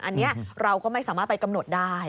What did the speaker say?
อันนี้เราก็ไม่สามารถไปกำหนดได้